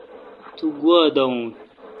توگوا داؤؤن۔